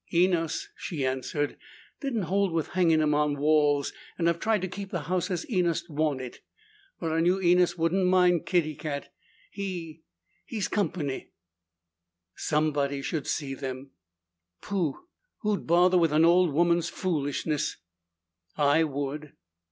"Enos," she answered, "didn't hold with hangin' them on the walls and I've tried to keep the house as Enos'd want it. But I knew Enos wouldn't mind Kitty Cat. He he's company." "Somebody should see them." "Pooh! Who'd bother with an old woman's foolishness?" "I would."